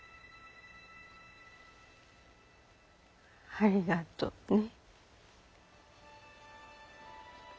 ありがとうね。